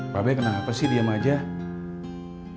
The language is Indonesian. bapak udah makan